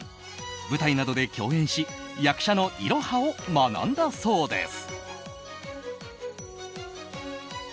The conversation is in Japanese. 舞台などで共演し役者のイロハを学んだそうです。